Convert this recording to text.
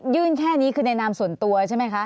แค่นี้คือในนามส่วนตัวใช่ไหมคะ